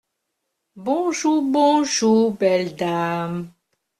Bonjou, bonjou, belle dame.